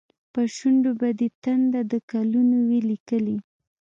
پر شونډو به دې تنده، د کلونو وي لیکلې